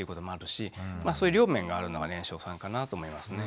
そういう両面があるのが年少さんかなと思いますね。